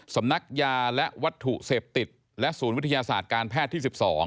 สำนักยาและวัตถุเสพติดและศูนย์วิทยาศาสตร์การแพทย์ที่๑๒